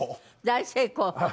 大成功。